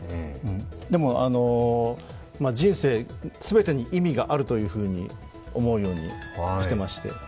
でも、人生全てに意味があると思うようにしてまして。